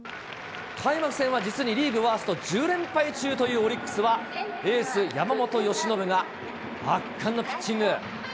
開幕戦は実にリーグワースト１０連敗中というオリックスは、エース、山本由伸が圧巻のピッチング。